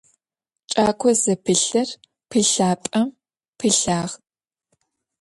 Ç'eko zepılhır pılhap'em pılhağ.